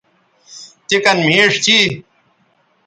تے کن مھیݜ تھی